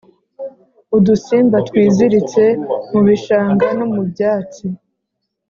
udusimba twiziritse mu bishanga no mu byatsi,